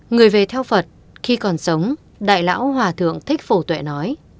người về theo phật khi còn sống đại lão hòa thượng thích phổ tuệ nói